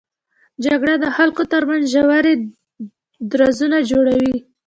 جګړه د خلکو تر منځ ژورې درزونه جوړوي